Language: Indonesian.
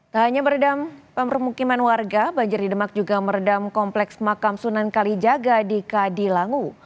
tak hanya meredam pemukiman warga banjir di demak juga meredam kompleks makam sunan kalijaga di kadilangu